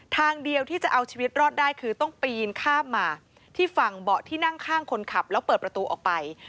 ทางเดียวที่จะเอาชีวิตรอดได้คือต้องปีนข้ามมาที่ฝั่งเบาะที่นั่งข้างคนขับแล้วเปิดประตูออกไป